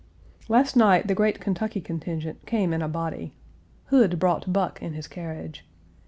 " Last night, the great Kentucky contingent came in a body. Hood brought Buck in his carriage.